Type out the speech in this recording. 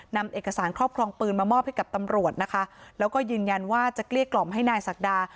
นำเอกสารครอบครองปืนมามอบให้กับตำรวจนะคะแล้วก็ยืนยันว่าจะเกลี้ยกล่อมให้นายศักดา